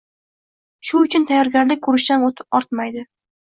Shu uchun tayyorgarlik ko‘rishdan ortmaydi.